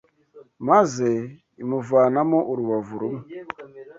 maze imuvanamo urubavu rumwe